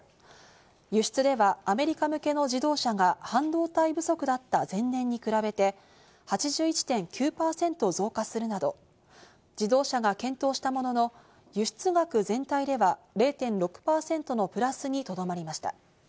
輸出ではアメリカ向けの自動車が半導体不足だった前年に比べて８１．９％増加するなど自動車が健闘したものの、輸出額全体では０．６％のプラスにとどまりました。